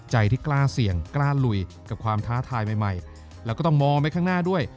ใจที่กล้าเสี่ยงกล้าลุยกับความท้าทายใหม่แล้วก็ต้องมองไปข้างหน้าด้วย